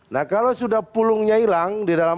nah kalau sudah pulungnya hilang di dalam